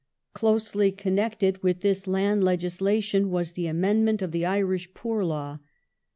Closely connected with this land legislation was the amendment Poor Law of the Irish Poor Law.